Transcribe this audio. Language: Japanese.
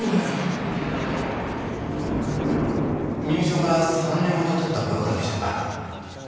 入所から３年ほど経った頃からでしょうか